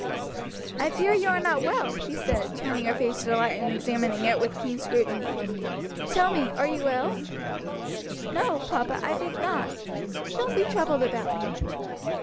"I fear you are not well," he said, turning her face to the light and examining it with keen scrutiny; "tell me, are you ill?" "No, papa, I think not. Don't be troubled about me."